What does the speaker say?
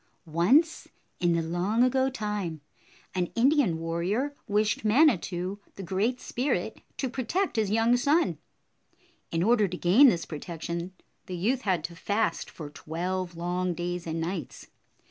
Once in the long ago time, an Indian warrior wished Manitou, the Great Spirit, to protect his young son. In order to gain this protection, the youth had to fast for twelve long days and nights.